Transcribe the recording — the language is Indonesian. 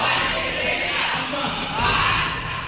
usaha tuhan indonesia